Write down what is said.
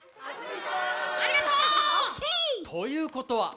ありがとう！ということは。